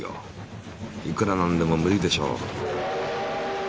いくらなんでも無理でしょう。